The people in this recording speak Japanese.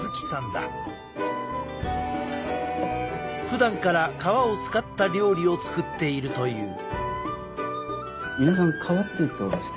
ふだんから皮を使った料理を作っているという。